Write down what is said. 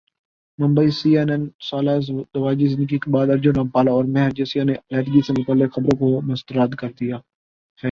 Mumbai C N N سالہ ازدواجی زندگی کے بعد ارجن رامپال اور مہر جسیہ نے علیحدگی سے متعلق خبروں کع مسترد کردیا ہے